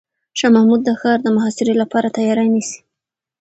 شاه محمود د ښار د محاصرې لپاره تیاری نیسي.